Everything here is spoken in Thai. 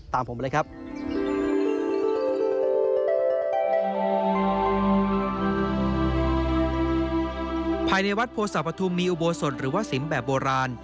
ตามผมไปเลยครับ